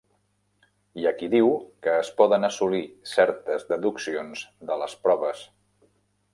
Hi ha qui diu que es poden assolir certes deduccions de les proves.